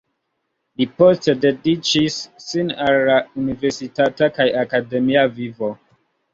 Li poste dediĉis sin al la universitata kaj akademia vivo.